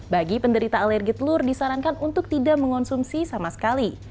bagi penderita alergi telur disarankan untuk tidak mengonsumsi sama sekali